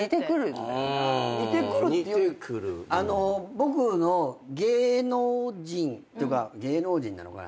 僕の芸能人っていうか芸能人なのかな。